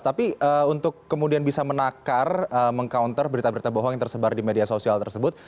tapi untuk kemudian bisa menakar meng counter berita berita bohong yang tersebar di media sosial tersebut